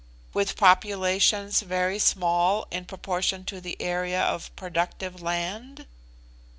"With populations very small in proportion to the area of productive land?"